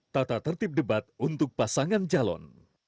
tata tertib debat untuk pasangan calon